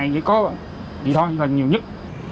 vậy thôi là nhiều nhất